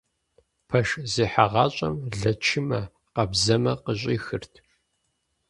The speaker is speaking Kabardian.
Пэш зехьагъащӏэм лэчымэ, къабзэмэ къыщӏихырт.